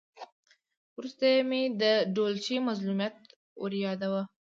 ورسته چې مې د ډولچي مظلومیت وریاداوه.